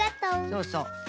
そうそう。